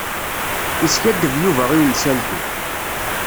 Yeskaddeb Yuba i umsaltu.